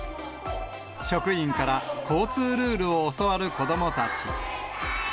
職員から交通ルールを教わる子どもたち。